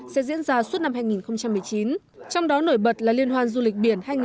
sẽ diễn ra suốt năm hai nghìn một mươi chín trong đó nổi bật là liên hoan du lịch biển hai nghìn hai mươi